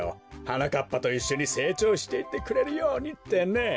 はなかっぱといっしょにせいちょうしていってくれるようにってね。